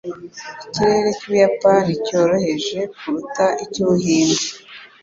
Ikirere cy'Ubuyapani cyoroheje kuruta icy'Ubuhinde.